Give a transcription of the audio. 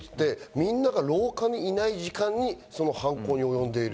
みんなが廊下にいない時間に犯行におよんでいる。